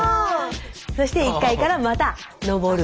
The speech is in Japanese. そして１階からまた上る。